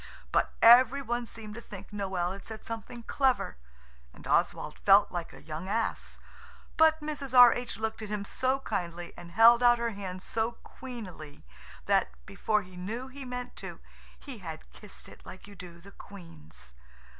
But every one seemed to think Noël had said something clever. And Oswald felt like a young ass. But Mrs. R. H. looked at him so kindly and held out her hand so queenily that, before he knew he meant to, he had kissed it like you do the Queen's.